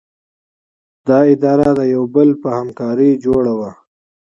دا اداره د یو بل په همکارۍ جوړه وي.